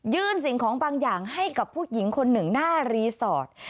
สิ่งของบางอย่างให้กับผู้หญิงคนหนึ่งหน้ารีสอร์ท